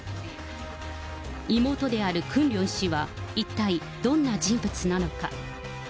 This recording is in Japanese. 妹であるクンリョン氏は一体、どんな人物なのか。